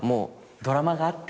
ドラマがあって。